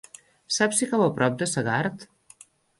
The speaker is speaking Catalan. Saps si cau a prop de Segart?